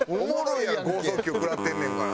豪速球食らってんねんから。